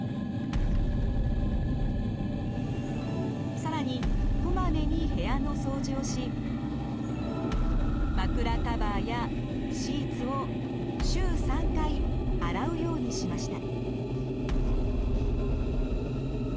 更にこまめに部屋の掃除をし枕カバーやシーツを週３回洗うようにしました。